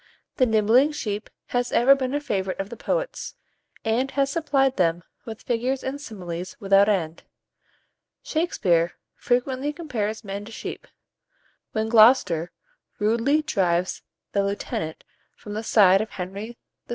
The "nibbling sheep" has ever been a favourite of the poets, and has supplied them with figures and similes without end. Shakspere frequently compares men to sheep. When Gloster rudely drives the lieutenant from the side of Henry VI.